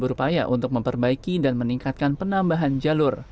berupaya untuk memperbaiki dan meningkatkan penambahan jalur